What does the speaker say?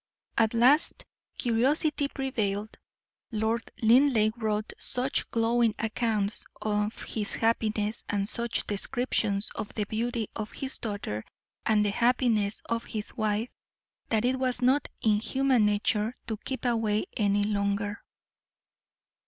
At last curiosity prevailed. Lord Linleigh wrote such glowing accounts of his happiness, and such descriptions of the beauty of his daughter and the happiness of his wife, that it was not in human nature to keep away any longer.